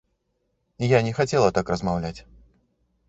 Я не хацела так размаўляць.